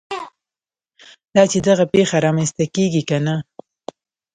دا چې دغه پېښه رامنځته کېږي که نه.